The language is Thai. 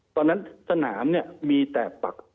ตอนนั้นสนามเนี่ยมีแต่ปัก